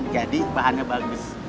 jadi bahannya bagus